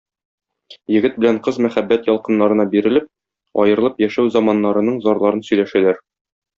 Егет белән кыз мәхәббәт ялкыннарына бирелеп, аерылып яшәү заманнарының зарларын сөйләшәләр.